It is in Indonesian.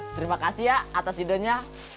terima kasih ya atas idenya